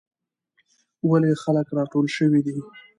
ولې خلک راټول شوي دي؟